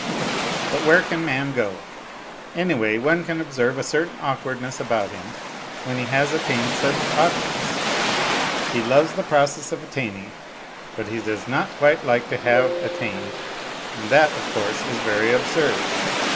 But where can man go ? Anyway, one can observe a certain awkwardness about him when he has attained such objects. He loves the process of attaining, but does not quite like to have attained, and that, of course, is very absurd.